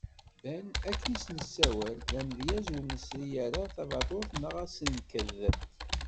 Ben, akken i as-nessawal, d amedyaz ur nesri ara tabadut neɣ asenked.